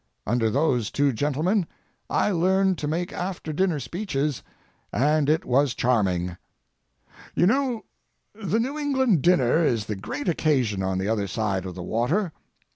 Under those two gentlemen I learned to make after dinner speeches, and it was charming. You know the New England dinner is the great occasion on the other side of the water.